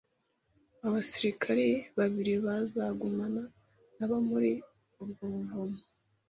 Abasirikare babiri bazagumana nabo muri ubwo buvumo.